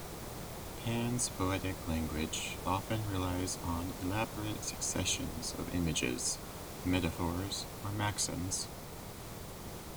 Pann's poetic language often relies on elaborate successions of images, metaphors, or maxims.